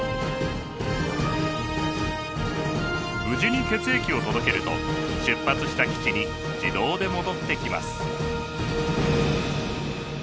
無事に血液を届けると出発した基地に自動で戻ってきます。